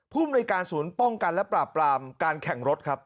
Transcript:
ภูมิในการศูนย์ป้องกันและปราบปรามการแข่งรถครับ